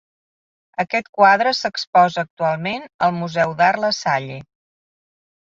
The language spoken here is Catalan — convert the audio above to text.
Aquest quadre s'exposa actualment al Museu d'Art La Salle.